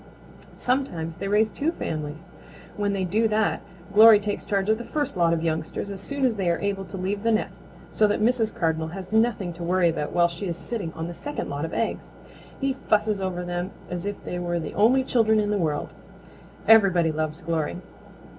Sometimes they raise two families. When they do that, Glory takes charge of the first lot of youngsters as soon as they are able to leave the nest so that Mrs. Cardinal has nothing to worry about while she is sitting on the second lot of eggs. He fusses over them as if they were the only children in the world. Everybody loves Glory.